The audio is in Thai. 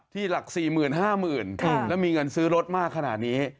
หลัก๔๕๐๐๐แล้วมีเงินซื้อรถมากขนาดนี้